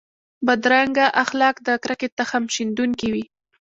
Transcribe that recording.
بدرنګه اخلاق د کرکې تخم شندونکي وي